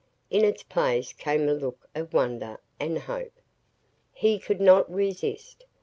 In its place came a look of wonder and hope. He could not resist.